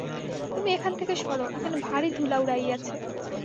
তুমি এখান থেকে সরো, এখানে ভারি ধুলা উড়াইয়াছে।